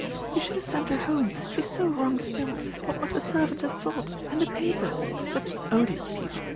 "You should have sent her home. She*s so wrong stilled. What must the servants have thought? And the papers? Such odious people.